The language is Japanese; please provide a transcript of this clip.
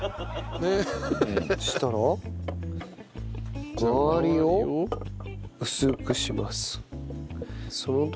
そしたら周りを薄くします。